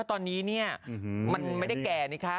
ตอนนี้มันไม่ได้แก่นะคะ